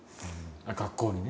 学校にね。